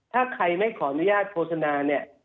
ถ้าใครไม่ขออนุญาตโฆษณา